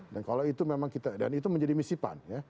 dan kalau itu memang kita dan itu menjadi misi pan ya